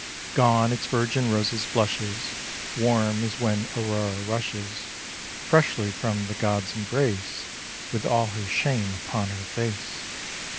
Gone its virgin roses' blushes, Warm as when Aurora rushes Freshly from the God's embrace, With all her shame upon her face.